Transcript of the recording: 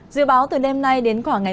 dự báo từ đêm nay đến khoảng ngày một mươi năm